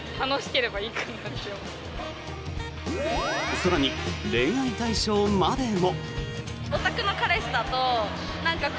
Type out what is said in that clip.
更に恋愛対象までも。